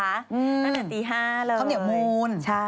ตั้งแต่ตี๕เลยใช่ข้าวเหนียวโมน